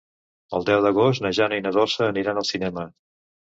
El deu d'agost na Jana i na Dolça aniran al cinema.